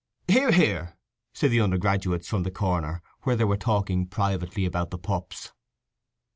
"Hear, hear!" said the undergraduates from the corner, where they were talking privately about the pups.